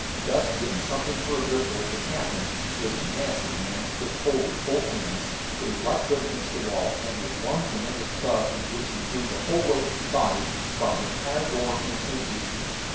Thus given something for a grip hold, the captain, who was a massive man, took hold with both hands, put his right foot against the wall, and, with one tremendous tug, into which he threw the whole weight of his body, brought the entire door from its hinges.